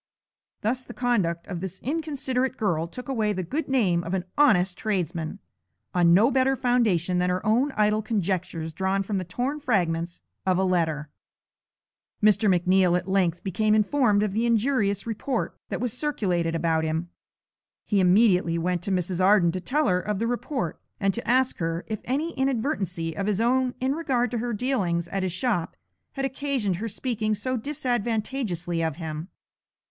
Thus the conduct of this inconsiderate girl took away the good name of an honest tradesman, on no better foundation than her own idle conjectures drawn from the torn fragments of a letter. Mr. McNeal at length became informed of the injurious report that was circulated about him. He immediately went to Mrs. Arden to tell her of the report, and to ask her if any inadvertency of his own in regard to her dealings at his shop had occasioned her speaking so disadvantageously of him.